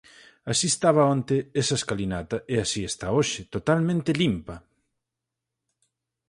Así estaba onte esa escalinata e así está hoxe, totalmente limpa.